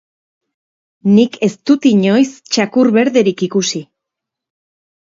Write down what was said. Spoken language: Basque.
Nik ez dut inoiz txakur berderik ikusi.